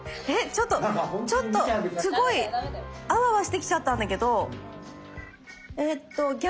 ちょっとちょっとすごいアワアワしてきちゃったんだけど。